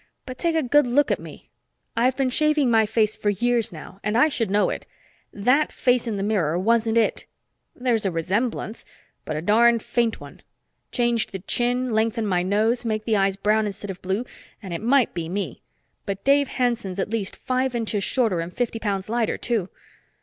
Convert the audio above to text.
But take a good look at me. I've been shaving my face for years now, and I should know it. That face in the mirror wasn't it! There's a resemblance. But a darned faint one. Change the chin, lengthen my nose, make the eyes brown instead of blue, and it might be me. But Dave Hanson's at least five inches shorter and fifty pounds lighter, too.